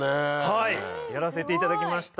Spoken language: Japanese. はいやらせていただきました。